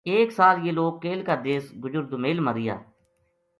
ایک سال یہ لوک کیل کا دیس گُجر دومیل ما رہیا